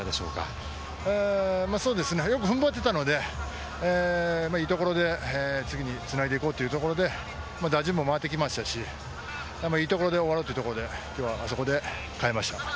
よく踏ん張っていたので、いいところで次につないで行こうというところで打順も回ってきましたし、いいところで終わろうということで今日はあそこで代えました。